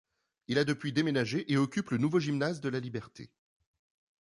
Il a depuis déménagé et occupe le nouveau gymnase de la Liberté.